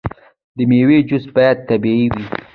د میوو جوس باید طبیعي وي.